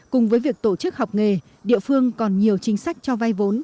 cùng với việc tổ chức học nghề địa phương còn nhiều chính sách cho vay vốn